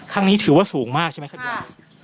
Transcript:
ครั้งนี้ถือว่าสูงมากใช่ไหมครับย่า